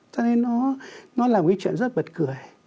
cho nên nó là cái chuyện rất bật cười